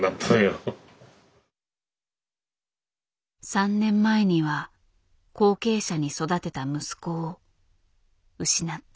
３年前には後継者に育てた息子を失った。